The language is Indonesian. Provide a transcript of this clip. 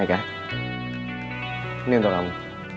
eka ini untuk kamu